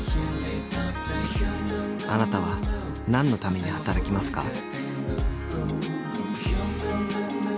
あなたは何のために働きますか？